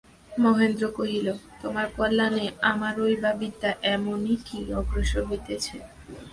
মহেন্দ্র কহিল, তোমার কল্যাণে আমারই বা বিদ্যা এমনই কী অগ্রসর হইতেছে।